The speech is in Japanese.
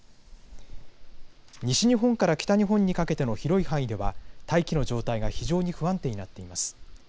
西日本から北日本にかけての広い範囲では大気の状態が非常に不安定になっています。